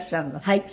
はい。